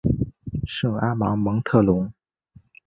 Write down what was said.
圣阿芒蒙特龙。